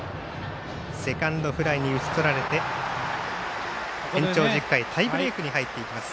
セカンドフライに打ち取られて延長１０回、タイブレークに入っていきます。